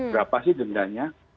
berapa sih dendanya